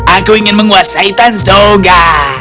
aku ingin menguasai tanzonga